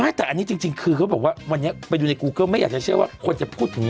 ไม่แต่อันนี้จริงจริงคือก็บอกว่าวันนี้ไปดูในกูเกิลไม่อยากให้เชื่อว่าคนจะพูดถึงเมือง